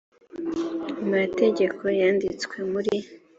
amategeko yanditswe muri